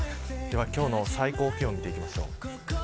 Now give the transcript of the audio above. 今日の最高気温を見ていきましょう。